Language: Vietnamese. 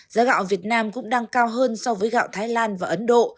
giá gạo việt nam cũng đang cao hơn so với gạo thái lan và ấn độ